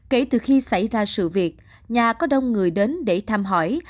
kể từ khi xảy ra sự việc nhà có đông người đến để thăm hỏi